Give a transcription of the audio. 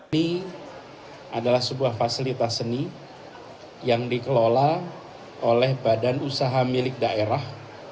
ini adalah sebuah fasilitas seni yang dikelola oleh badan usaha milik daerah